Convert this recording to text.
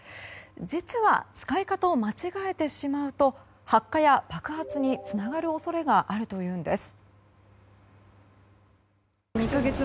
実は、使い方を間違えてしまうと発火や爆発につながる恐れがあるというんです。